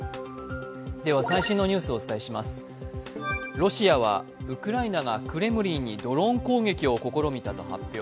ロシアはウクライナがクレムリンにドローン攻撃を試みたと発表